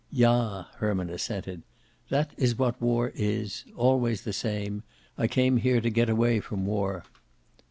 "Ja," Herman assented. "That is what war is. Always the same. I came here to get away from war."